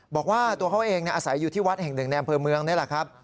บอกว่าตัวเขาเองอาศัยอยู่ที่วัดแห่งหนึ่งในอำเภอเมืองนี่แหละครับ